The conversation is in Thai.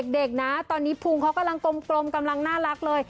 เด็กนะตอนนี้ภูมิเขากำลังกลมกำลังน่ารักเลย